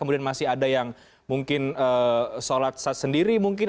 masih ada yang mungkin solat saat sendiri mungkin